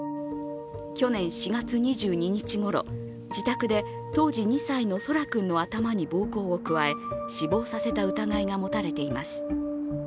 去年４月２２日ごろ、自宅で当時２歳の空来くんの頭に暴行を加え死亡させた疑いが持たれています。